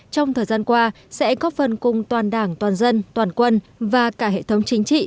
trong thời gian qua sẽ góp phần cùng toàn đảng toàn dân toàn quân và cả hệ thống chính trị